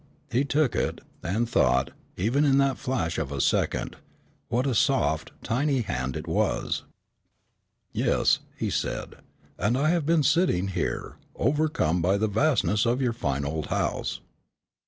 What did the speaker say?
He took it, and thought, even in that flash of a second, what a soft, tiny hand it was. "Yes," he said, "and I have been sitting here, overcome by the vastness of your fine old house."